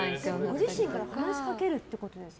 ご自身が話しかけるってことですか。